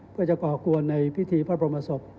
เพื่อจะก่อกวนในพิธีพระบรมศพ